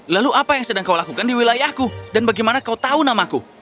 lalu apa yang sedang kau lakukan di wilayahku dan bagaimana kau tahu namaku